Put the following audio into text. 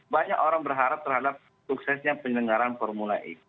banyak orang berharap terhadap suksesnya penyelenggaran formula e